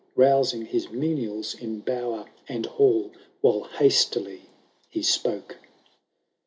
Bousing his menials in bower and hall. While hastily he spoke.